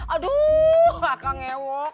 aduh kak ngewok